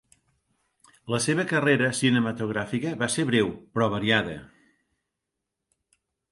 La seva carrera cinematogràfica va ser breu, però variada.